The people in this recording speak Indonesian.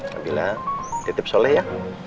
nabila titip soleh ya